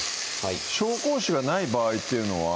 紹興酒がない場合っていうのは？